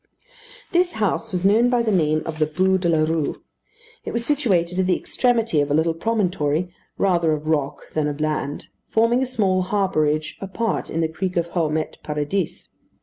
This house was known by the name of the Bû de la Rue. It was situated at the extremity of a little promontory, rather of rock than of land, forming a small harbourage apart in the creek of Houmet Paradis.